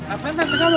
apaan yang terjadi